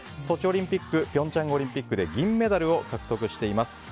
ソチオリンピック平昌オリンピックで銀メダルを獲得しています。